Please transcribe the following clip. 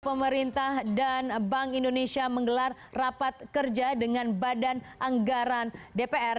pemerintah dan bank indonesia menggelar rapat kerja dengan badan anggaran dpr